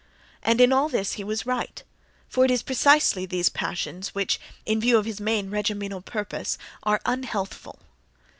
And in all this he was right, for it is precisely these passions which, in view of his main regiminal purpose, are unhealthful.